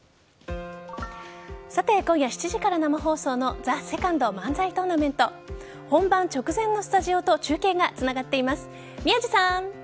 さて今夜７時から生放送の「ＴＨＥＳＥＣＯＮＤ漫才トーナメント」本番直前のスタジオと中継がつながっています。